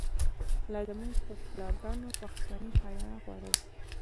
لا زمونږ په کلا گانو، پښتنی حیا خوره ده